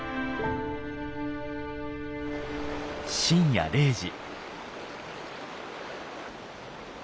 深夜０時。